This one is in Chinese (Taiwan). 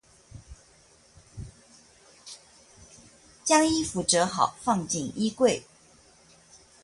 將衣服摺好放進衣櫃